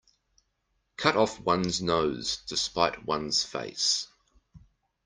Cut off one's nose to spite one's face.